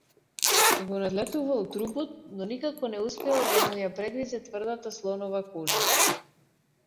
Го надлетувал трупот, но никако не успевал да му ја прегризе тврдата слонова кожа.